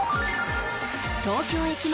東京駅前